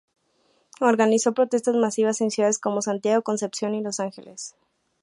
Organizó protestas masivas en ciudades como Santiago, Concepción y Los Ángeles.